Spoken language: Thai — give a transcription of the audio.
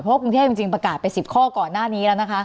เพราะกรุงเทพจริงประกาศไป๑๐ข้อก่อนหน้านี้แล้วนะคะ